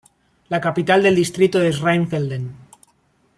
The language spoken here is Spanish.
La capital del distrito es Rheinfelden.